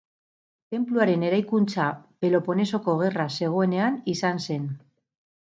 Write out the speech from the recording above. Tenpluaren eraikuntza Peloponesoko Gerra zegoenean izan zen.